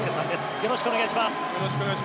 よろしくお願いします。